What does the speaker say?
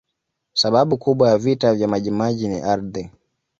sababu kubwa ya vita vya majimaji ni ardhi